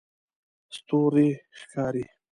ستوری ښکاري